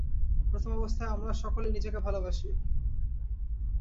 প্রথম অবস্থায় আমরা সকলেই নিজেকে ভালবাসি।